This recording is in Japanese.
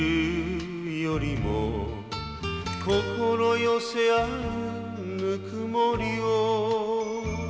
「心寄せ合うぬくもりを」